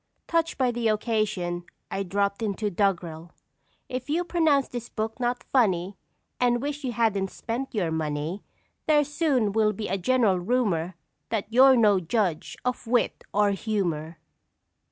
Touched by the occasion, I "drop into" doggerel: If you pronounce this book not funny, And wish you hadn't spent your money, There soon will be a general rumor That you're no judge of Wit or Humor.